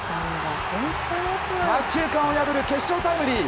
左中間を破る決勝タイムリー。